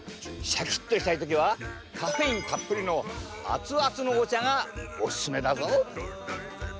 シャキッとしたい時はカフェインたっぷりの熱々のお茶がおすすめだぞ！